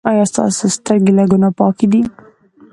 ایا ستاسو سترګې له ګناه پاکې دي؟